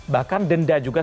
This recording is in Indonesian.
bahkan denda juga